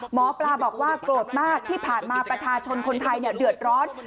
หมอปลาบอกว่าโกรธมากที่ผ่านมาประชาชนคนไทยเดือดร้อน